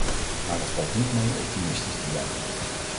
Maar het valt niet mee optimistisch te blijven.